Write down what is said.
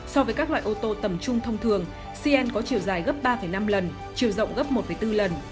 so với các loại ô tô tầm trung thông thường cn có chiều dài gấp ba năm lần chiều rộng gấp một bốn lần